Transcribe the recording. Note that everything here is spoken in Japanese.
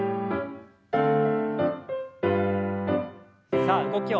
さあ動きを早く。